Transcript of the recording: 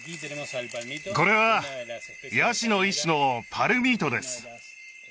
これはヤシの一種のパルミートです